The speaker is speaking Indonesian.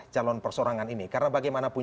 calon persorangan ini karena bagaimanapun